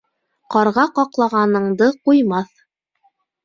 Ҡарға ҡаҡлағаныңды ҡуймаҫ.